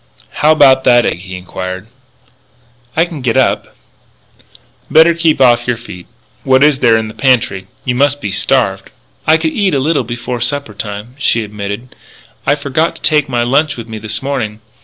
"How about that egg?" he inquired. "I can get up " "Better keep off your feet. What is there in the pantry? You must be starved." "I could eat a little before supper time," she admitted. "I forgot to take my lunch with me this morning.